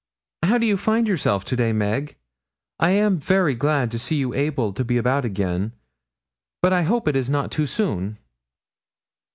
'How do you find yourself to day, Meg? I am very glad to see you able to be about again; but I hope it is not too soon.'